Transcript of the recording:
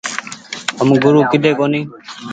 هم گورو ڪيۮي ڪونيٚ ۔